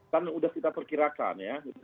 kan sudah kita perkirakan ya